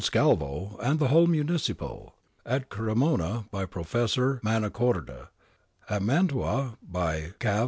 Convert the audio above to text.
Sclavo and the whole Municipio ; at Cremona by Professor Manacorda ; at Mantua by Cav.